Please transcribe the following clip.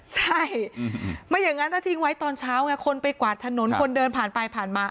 ใช่ไม่อย่างนั้นถ้าทิ้งไว้ตอนเช้าไงคนไปกวาดถนนคนเดินผ่านไปผ่านมา